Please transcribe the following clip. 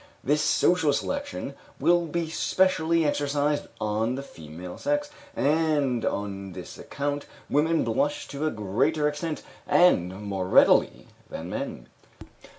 This social selection will be specially exercised on the female sex, and on this account, women blush to a greater extent, and more readily, than men."